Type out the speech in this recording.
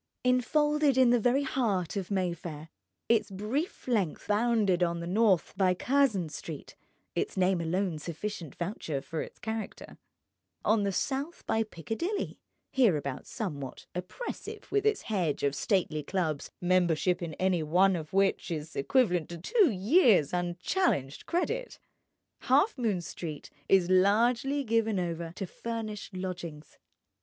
Enfolded in the very heart of Mayfair, its brief length bounded on the north by Curzon Street (its name alone sufficient voucher for its character), on the south by Piccadilly (hereabouts somewhat oppressive with its hedge of stately clubs, membership in any one of which is equivalent to two years' unchallenged credit) Halfmoon Street is largely given over to furnished lodgings.